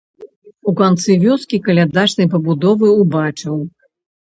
У канцы вёскі каля дачнай прыбудовы убачыў.